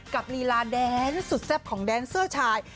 กับลีลาแดนสุดแซ่บของแดนเสื้อชาย